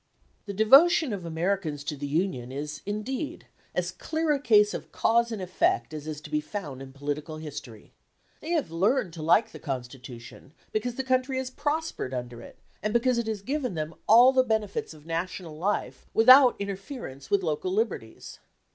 The devotion of Americans to the Union is, indeed, as clear a case of cause and effect as is to be found in political history. They have learned to like the Constitution because the country has prospered under it, and because it has given them all the benefits of national life without interference with local liberties.